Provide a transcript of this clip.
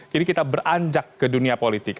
jadi kita beranjak ke dunia politik